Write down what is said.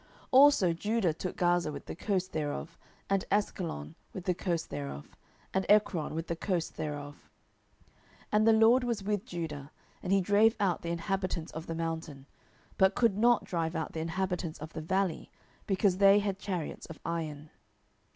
07:001:018 Also Judah took Gaza with the coast thereof, and Askelon with the coast thereof, and Ekron with the coast thereof. 07:001:019 And the LORD was with Judah; and he drave out the inhabitants of the mountain; but could not drive out the inhabitants of the valley, because they had chariots of iron.